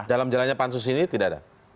dalam jalannya pansus ini tidak ada